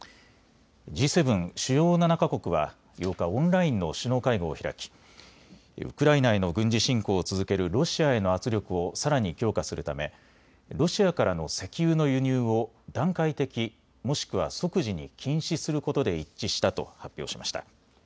Ｇ７・主要７か国は８日、オンラインの首脳会合を開きウクライナへの軍事侵攻を続けるロシアへの圧力をさらに強化するためロシアからの石油の輸入を段階的、もしくは即時に禁止することで一致したと発表しました。